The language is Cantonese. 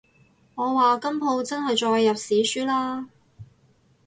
我話今舖真係載入史書喇